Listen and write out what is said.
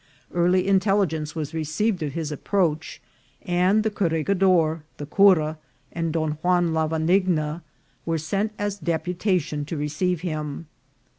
Early intel ligence was received of his approach, and the corregidor, the cura, and Don Juan Lavanigna were sent as a dep utation to receive him.